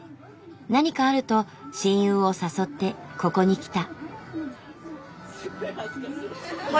何かあると親友を誘ってここに来た。